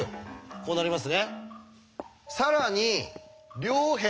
こうなります。